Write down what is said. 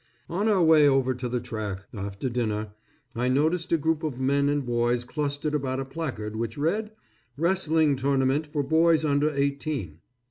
On our way over to the track, after dinner, I noticed a group of men and boys clustered about a placard which read, "Wrestling Tournament For Boys Under Eighteen."